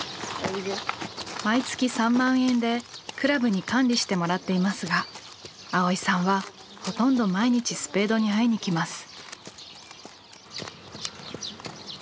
毎月３万円で倶楽部に管理してもらっていますが蒼依さんはほとんど毎日スペードに会いにきます。